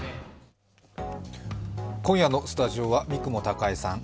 今夜のスタジオは三雲孝江さん